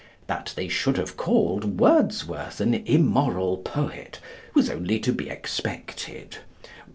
That they should have called Wordsworth an immoral poet, was only to be expected.